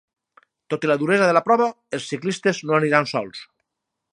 Tot i la duresa de la prova, els ciclistes no aniran sols.